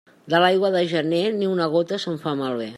De l'aigua de gener, ni una gota se'n fa malbé.